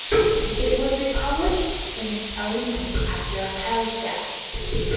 It was republished in its own book after Apel's death.